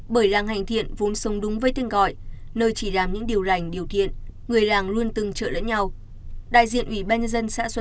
bởi làng hành thiện vốn sống đúng với tên gọi nơi chỉ làm những điều lành điều kiện người làng luôn từng chợ lẫn nhau